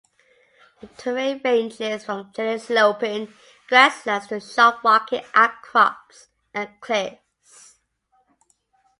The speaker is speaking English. The terrain ranges from gently sloping grasslands to sharp rocky outcrops and cliffs.